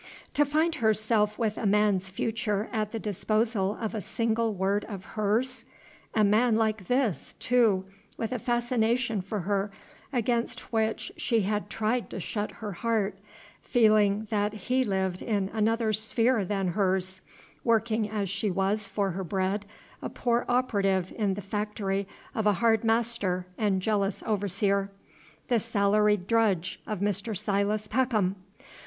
To find herself with a man's future at the disposal of a single word of hers! a man like this, too, with a fascination for her against which she had tried to shut her heart, feeling that he lived in another sphere than hers, working as she was for her bread a poor operative in the factory of a hard master and jealous overseer, the salaried drudge of Mr. Silas Peckham!